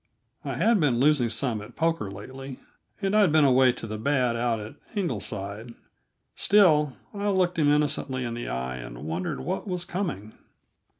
I had been losing some at poker lately, and I'd been away to the bad out at Ingleside; still, I looked him innocently in the eye and wondered what was coming.